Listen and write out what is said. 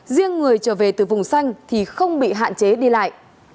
riêng người trở về từ vùng xanh thì không bị hạn chế đi lại